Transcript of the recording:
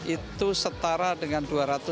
itu setara dengan dua ratus enam puluh